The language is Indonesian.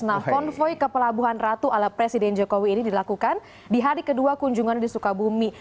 nah konvoy ke pelabuhan ratu ala presiden jokowi ini dilakukan di hari kedua kunjungan di sukabumi